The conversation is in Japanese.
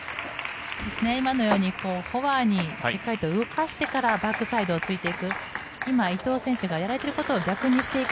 今のようにフォアにしっかりと動かしてからバックサイドを突いて行く。